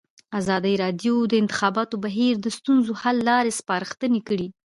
ازادي راډیو د د انتخاباتو بهیر د ستونزو حل لارې سپارښتنې کړي.